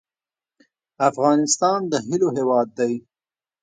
افغانستان د هیلو هیواد دی